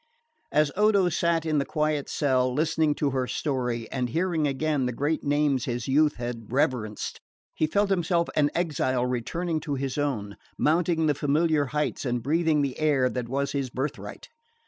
As Odo sat in the quiet cell, listening to her story, and hearing again the great names his youth had reverenced, he felt himself an exile returning to his own, mounting the familiar heights and breathing the air that was his birthright.